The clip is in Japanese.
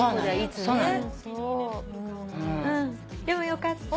でもよかった。